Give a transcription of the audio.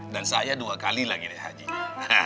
dan saya dua kali lagi deh hajinya